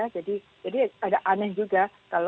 jadi agak aneh juga